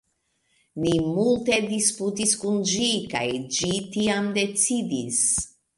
ni multe disputis kun ĝi kaj ĝi tiam decidis